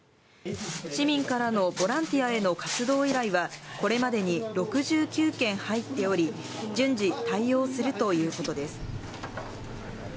市民からのボランティアへの活動依頼は、これまでに６９件入っており、順次対応するということです。